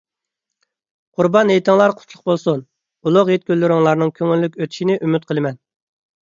قۇربان ھېيتىڭلار قۇتلۇق بولسۇن! ئۇلۇغ ھېيت كۈنلىرىڭلارنىڭ كۆڭۈللۈك ئۆتۈشىنى ئۈمىد قىلىمەن.